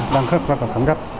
đang khắc phát vào thẳng gấp